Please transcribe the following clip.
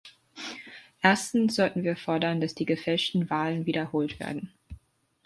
Erstens sollten wir fordern, dass die gefälschten Wahlen wiederholt werden.